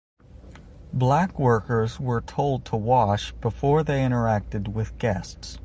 Black workers were told to wash before they interacted with guests.